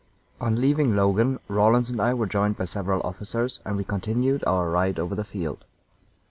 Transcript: On leaving Logan, Rawlins and I were joined by several officers, and we continued our ride over the field.